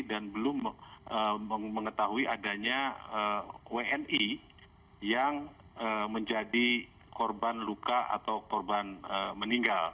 dan belum mengetahui adanya wni yang menjadi korban luka atau korban meninggal